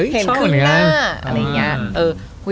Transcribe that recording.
เห็นคุณหน้าอะไรอีงเง้ะ